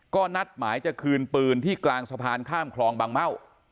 ก็นัดหมายจะคืนปืนที่กลางสะพานข้ามคลองบางเม่า